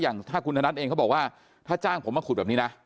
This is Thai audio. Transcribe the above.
อย่างถ้าคุณธนัทเองเขาบอกว่าถ้าจ้างผมมาขุดแบบนี้นะ